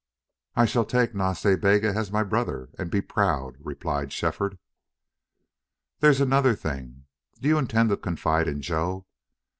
"I shall take Nas Ta Bega as my brother and be proud," replied Shefford. "There's another thing. Do you intend to confide in Joe?"